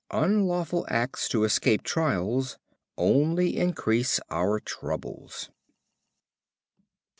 Unlawful acts to escape trials only increase our troubles.